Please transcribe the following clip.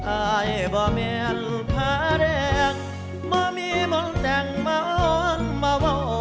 ไอบ่เมียนพระแดงบ่มีมนต์แดงมาอ้อนมาโบ